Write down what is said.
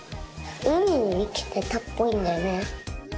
うみにいきてたっぽいんだよね。